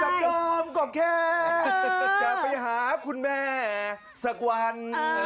จะกล้อมกับแค้นจะไปหาคุณแม่สักวัน